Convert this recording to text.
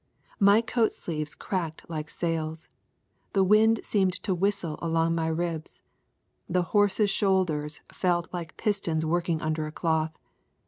My coat sleeves cracked like sails. The wind seemed to whistle along my ribs. The horse's shoulders felt like pistons working under a cloth.